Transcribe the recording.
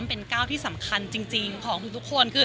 มันเป็นเก้าที่สำคัญจริงของทุกคน